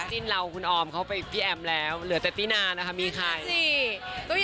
จริงเราคุณออมเขาไปพี่แอมแล้วเหลือแต่ติดนานนะคะมีใครติดนานสิ